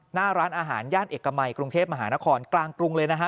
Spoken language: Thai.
หน้าร้านอาหารย่านเอกมัยกรุงเทพมหานครกลางกรุงเลยนะฮะ